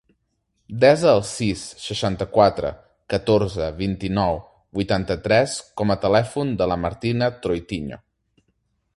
Desa el sis, seixanta-quatre, catorze, vint-i-nou, vuitanta-tres com a telèfon de la Martina Troitiño.